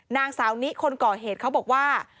นางสาวนิคนก่อเหตุเขาบอกว่า